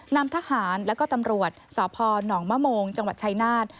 นำทหารและก็ตำรวจสพหนองมะโมงจังหวัดชายนาฏ